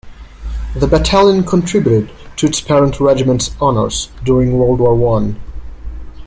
The battalion contributed to its parent regiment's honours during World War One.